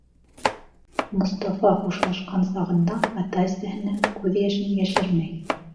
Мостафа хушлашҡан сағында ата-әсәһенән күҙ йәшен йәшермәй.